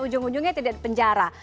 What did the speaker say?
ujung ujungnya tidak di penjara